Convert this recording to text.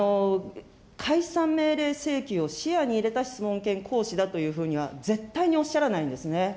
解散命令請求を視野に入れた質問権行使だというふうには、絶対におっしゃらないんですね。